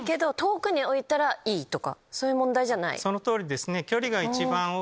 その通りですね。